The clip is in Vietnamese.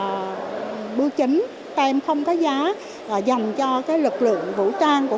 đắt nhất cái tác phẩm đó là tem bưu chính tem không có giá dành cho lực lượng vũ trang của